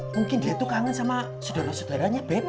mungkin dia tuh kangen sama saudara saudaranya beb